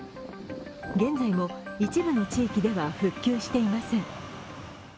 現在も一部の地域では復旧していません。